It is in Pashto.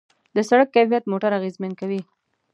د سړک کیفیت موټر اغېزمن کوي.